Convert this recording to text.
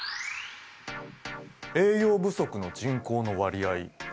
栄養不足の人口の割合。